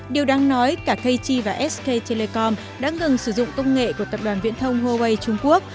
điều đáng nói cả kt và sk telecom đã ngừng sử dụng công nghệ của tập đoàn viễn thông huawei trung quốc